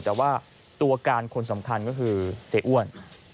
แต่ว่าตัวการคนสำคัญก็คือเสียอ้วน